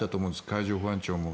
海上保安庁も。